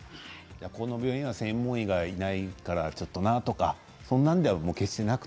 この病院は専門医がいないからちょっとなとかそんなのでは決してなくて？